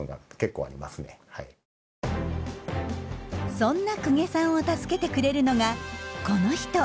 そんな久下さんを助けてくれるのがこの人。